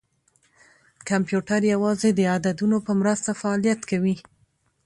کمپیوټر یوازې د عددونو په مرسته فعالیت کوي.